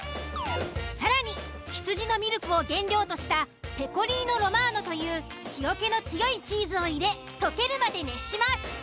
更に羊のミルクを原料としたペコリーノ・ロマーノという塩気の強いチーズを入れ溶けるまで熱します。